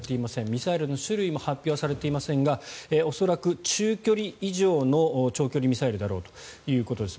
ミサイルの種類も発射されていませんが恐らく中距離以上の長距離ミサイルだろうということです。